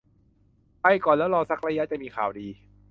ไปก่อนแล้วรอสักระยะจะมีข่าวดี